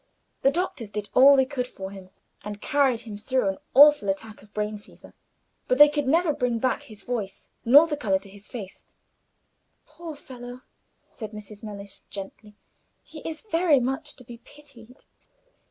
The doctors did all they could for him, and carried him through an awful attack of brain fever, but they could never bring back his voice, nor the color to his cheeks." "Poor fellow!" said Mrs. Mellish, gently; "he is very much to be pitied."